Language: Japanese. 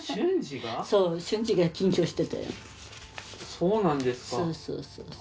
そうなんですか。